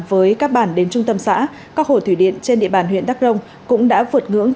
với các bản đến trung tâm xã các hồ thủy điện trên địa bàn huyện đắk rồng cũng đã vượt ngưỡng